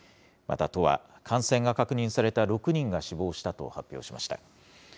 また都は、感染が確認された６人が死亡したと発表しました。